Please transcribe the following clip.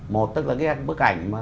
một tức là cái bức ảnh